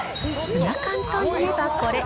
ツナ缶といえばこれ。